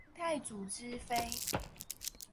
清太祖之妃。